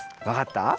わかった？